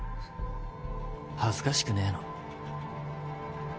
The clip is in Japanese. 恥ずかしくねぇの？